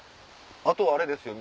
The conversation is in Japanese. あとはあれですよ